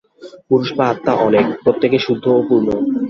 পুরুষ বা আত্মা অনেক, প্রত্যেকেই শুদ্ধ ও পূর্ণ।